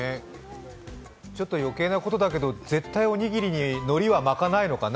ちょっと余計なことだけで、絶対おにぎりにのりは巻かないのかな？